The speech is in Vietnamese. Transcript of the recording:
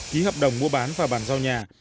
ký hợp đồng mua bán và bàn giao nhà